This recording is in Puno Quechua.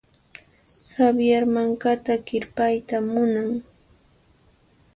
Javier mankata kirpayta munan.